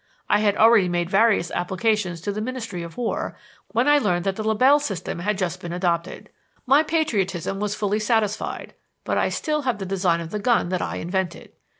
I had already made various applications to the ministry of war, when I learned that the Lebel system had just been adopted. My patriotism was fully satisfied, but I still have the design of the gun that I invented."